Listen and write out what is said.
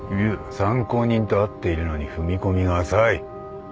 参考人と会っているのに踏み込みが浅い。